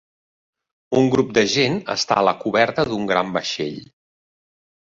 Un grup de gent està a la coberta d'un gran vaixell.